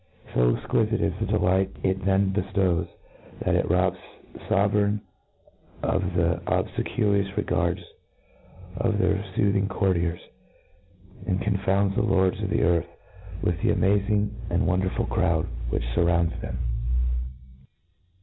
So exqui fite is the delight it then bcftows, that it robs fovereigns of the obfcquious regards of their foothing courtiers, and confounds the lords of the earth with the gazing and wondering crowd » whicji furrounds them.